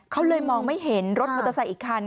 เขาเลยมองไม่เห็นรถมอเตอร์ไซค์อีกคัน